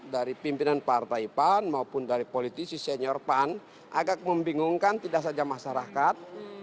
dari pimpinan partai pan maupun dari politisi senior pan agak membingungkan tidak saja masyarakat